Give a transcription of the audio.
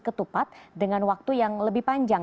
ketupat dengan waktu yang lebih panjang